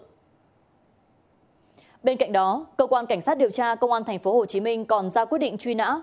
thưa quý vị và các bạn cơ quan cảnh sát điều tra công an tp hcm đã ra quyết định truy nã